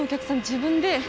自分で。